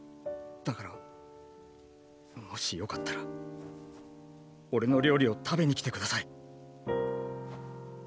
だからもしよかったら俺の料理を食べに来て下さい！